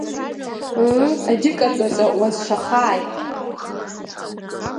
Ыы, аџьыкаҵәаҵәа уазшахааит!